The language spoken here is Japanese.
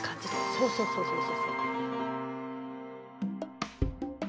そうそうそうそう。